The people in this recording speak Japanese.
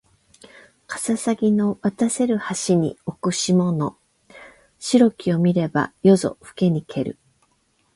かささぎの渡せる橋に置く霜の白きを見れば夜ぞふけにける